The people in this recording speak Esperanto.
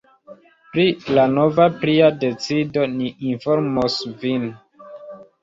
Pri la nova pria decido ni informos vin.